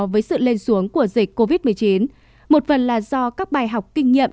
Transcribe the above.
với sự lên xuống của dịch covid một mươi chín một phần là do các bài học kinh nghiệm